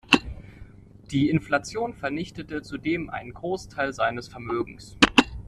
Die Inflation vernichtete zudem einen Großteil seines Vermögens.